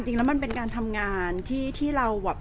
แต่ว่าสามีด้วยคือเราอยู่บ้านเดิมแต่ว่าสามีด้วยคือเราอยู่บ้านเดิม